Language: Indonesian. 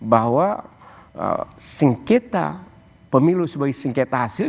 bahwa singketa pemilu sebagai singketa hasil